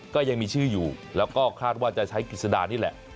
ก็ยังมีชื่ออยู่แล้วก็คาดว่าจะใช้กิจสดานี่แหละ